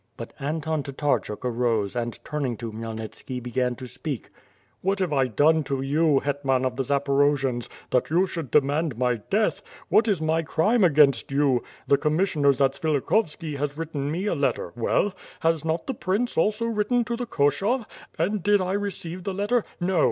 But Anton Tatarchuk arose and, turning to Khmyelnitski, began to speak: "What have I done to you, Hetman of the Zaporojians, that you should demand my death? What is my crime against you? The Commissioner Zatsvilikhovski has written me a letter — well? Has not the prince also written to the Koshov? And did I receive the letter? !N"o!